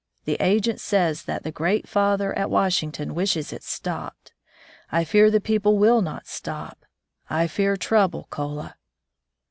The agent says that the Great Father at Wash ington wishes it stopped. I fear the people will not stop. I fear trouble, kola.